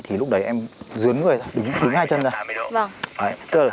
thì lúc đấy em dướn người ra đứng hai chân ra